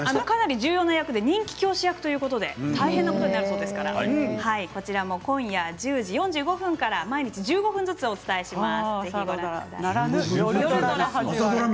かなり重要な役で人気教師役ということで大変なことになりますからこちらも今夜１０時４５分から毎日１５分ずつをお伝えします。